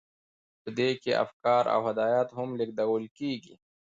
په دې کې افکار او هدایات هم لیږدول کیږي.